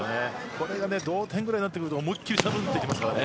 これが同点になってくると思い切りサーブを打ってきます。